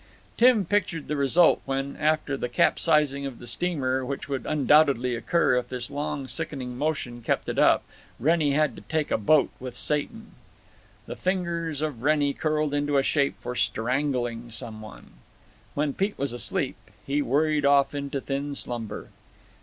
Tim pictured the result when, after the capsizing of the steamer which would undoubtedly occur if this long sickening motion kept up, Wrennie had to take to a boat with Satan. The fingers of Wrennie curled into shape for strangling some one. When Pete was asleep he worried off into thin slumber.